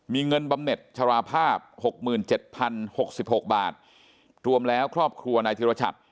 มีเงินบำเน็ตชราภาพ๖๗๐๖๖บาทรวมแล้วครอบครัวนายธิรชัด